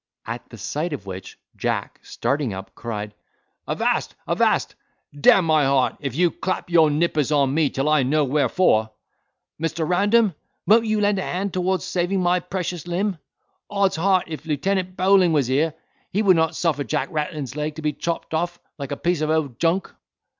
At the sight of which, Jack, starting up, cried, "Avast, avast! D—n my heart, if you clap your nippers on me, till I know wherefore! Mr. Random, won't you lend a hand towards saving my precious limb! Odd's heart, if Lieutenant Bowling was here, he would not suffer Jack Rattlin's leg to be chopped off like a piece of old junk."